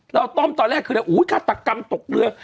เราต้มตอนแรกคืออุ้ยค่ะตัดกรรมตกเรือ